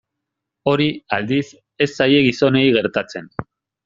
Hori, aldiz, ez zaie gizonei gertatzen.